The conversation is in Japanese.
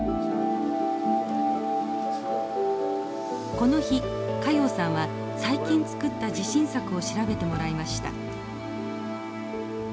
この日加用さんは最近作った自信作を調べてもらいました。